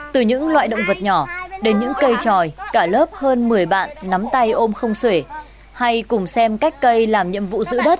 từ những loại động vật nhỏ đến những cây tròi cả lớp hơn một mươi bạn nắm tay ôm không xể hay cùng xem cách cây làm nhiệm vụ giữ đất